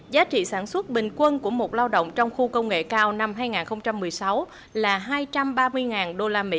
giá trị sản xuất bình quân của một lao động trong khu công nghệ cao năm hai nghìn một mươi sáu là hai trăm ba mươi usd